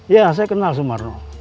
ya saya kenal semarno